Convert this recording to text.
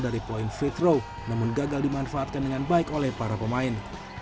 dari poin fith row namun gagal dimanfaatkan dengan baik oleh para pemain